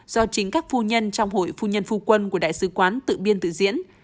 do chính các phu nhân trong hội phu nhân phu quân của đại sứ quán tự biên tự diễn